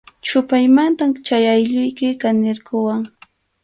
Chʼupaymantam chay allquyki kanirquwan.